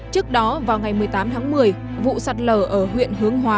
trước đó vào ngày một mươi tám tháng một mươi vụ sạt lở ở huyện hương